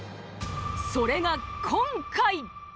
それが今回。